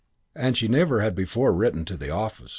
And she had never before written to the office.